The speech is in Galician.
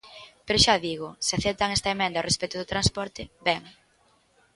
Pero, xa digo: se aceptan esta emenda a respecto do transporte, ben.